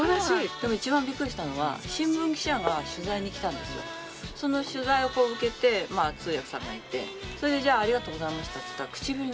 でも一番びっくりしたのは新聞記者が取材に来たんですよ。その取材をこう受けてまあ通訳さんがいてそれで「じゃあありがとうございました」って言ったら唇にキスしたんですよ。